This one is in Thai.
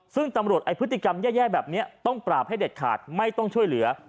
ซึ่งตำรวจไอ้พฤติกรรมแย่แบบนี้ต้องปราบให้เด็ดขาดไม่ต้องช่วยเหลือ